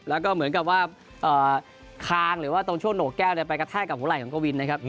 แล้วก็เหมือนกับว่าคางหรือว่าตรงช่วงโหนกแก้วไปกระแทกกับหัวไหล่ของกวินนะครับ